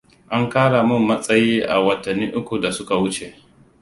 An kara mun matsayi a watanni uku da suka wuce.